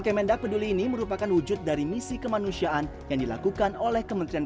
kemendak peduli ini merupakan wujud dari misi kemanusiaan yang dilakukan oleh kementerian